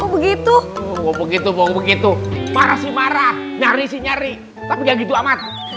begitu begitu begitu marah marah nyaris nyari tapi begitu amat